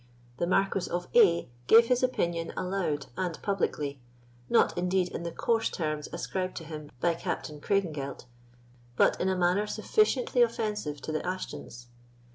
The Marquis of A—— gave his opinion aloud and publicly, not indeed in the coarse terms ascribed to him by Captain Craigengelt, but in a manner sufficiently offensive to the Ashtons.